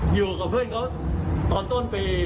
อยู่กับเพื่อนเขาตอนต้นปี